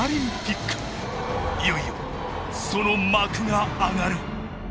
いよいよその幕が上がる！